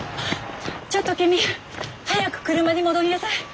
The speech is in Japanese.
ちょっと君早く車に戻りなさい。